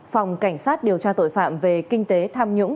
phòng cảnh sát điều tra tội phạm về kinh tế tham nhũng